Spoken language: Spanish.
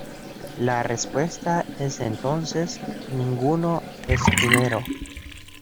La respuesta es entonces "ninguno es primero".